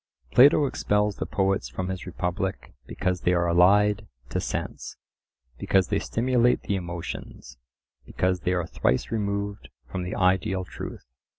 Plato expels the poets from his Republic because they are allied to sense; because they stimulate the emotions; because they are thrice removed from the ideal truth.